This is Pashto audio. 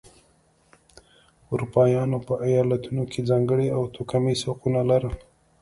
اروپایانو په ایالتونو کې ځانګړي او توکمیز حقونه لرل.